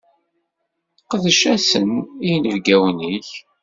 Qdec-asen i yinebgawen-ik.